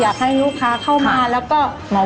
การที่บูชาเทพสามองค์มันทำให้ร้านประสบความสำเร็จ